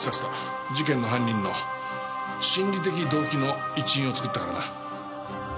事件の犯人の心理的動機の一因を作ったからな。